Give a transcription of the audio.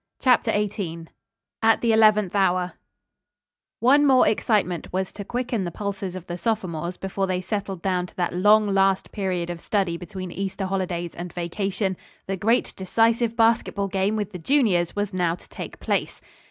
CHAPTER XVIII AT THE ELEVENTH HOUR One more excitement was to quicken the pulses of the sophomores before they settled down to that long last period of study between Easter holidays and vacation. The great, decisive basketball game with the juniors was now to take place.